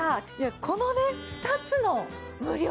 このね２つの無料。